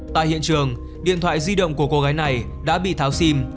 tại hiện trường điện thoại di động của cô gái này đã bị tháo sim